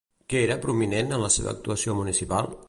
Què era prominent en la seva actuació municipal?